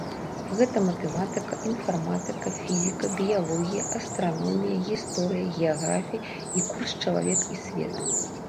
Гэта матэматыка, інфарматыка, фізіка, біялогія, астраномія, гісторыя, геаграфія і курс чалавек і свет.